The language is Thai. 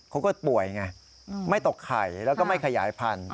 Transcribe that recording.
เขาก็ป่วยไงไม่ตกไข่แล้วก็ไม่ขยายพันธุ